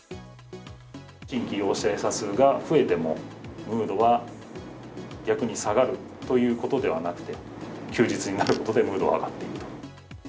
新規陽性者数が増えても、ムードは逆に下がるということではなくて、休日になるとムードは上がっていると。